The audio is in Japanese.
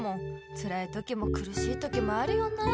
つらい時もくるしい時もあるよなあ